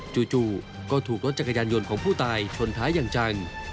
จู่ก็ถูกรถจักรยานยนต์ของผู้ตายชนท้ายอย่างจัง